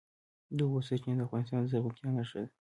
د اوبو سرچینې د افغانستان د زرغونتیا نښه ده.